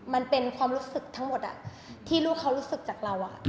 มันเป็นความรู้สึกทั้งหมดที่ลูกเขารู้สึกจากเรา